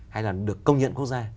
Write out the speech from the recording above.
hay là được công nhận quốc gia